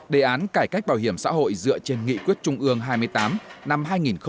đề án cải cách bảo hiểm xã hội dựa trên nghị quyết trung ương hai mươi tám năm hai nghìn một mươi chín